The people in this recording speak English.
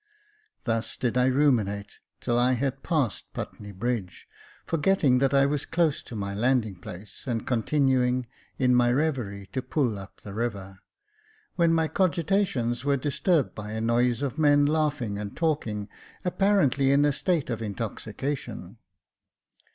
Thus did I ruminate till I had passed J.F. X 32 2 Jacob Faithful Putney Bridge, forgetting that I was close to my landing place, and continuing, in my reverie, to pull up the river, when my cogitations were disturbed by a noise of men laughing and talking, apparently in a state of intoxication.